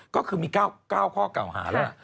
ก็คือมี๙ข้อเก่าหาแล้วล่ะ